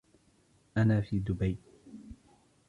أنا في دبي.